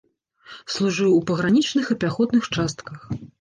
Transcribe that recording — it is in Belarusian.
Служыў у пагранічных і пяхотных частках.